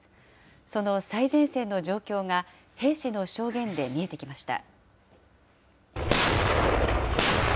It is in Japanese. その最前線の状況が、兵士の証言で見えてきました。